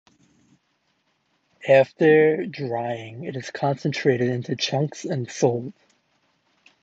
After drying it is concentrated into chunks and sold.